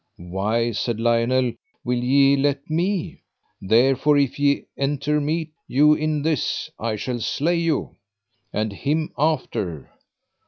Why, said Lionel, will ye let me? therefore if ye entermete you in this I shall slay you, and him after.